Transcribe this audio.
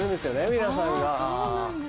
皆さんが。